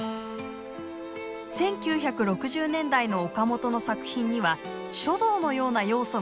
１９６０年代の岡本の作品には書道のような要素が加わります。